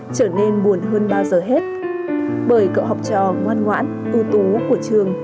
trở nên buồn hơn bao giờ hết bởi cậu học trò ngoan ngoãn ưu tú của trường